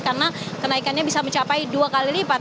karena kenaikannya bisa mencapai dua kali lipat